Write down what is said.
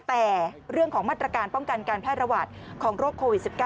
แต่เรื่องของมาตรการป้องกันการแพร่ระบาดของโรคโควิด๑๙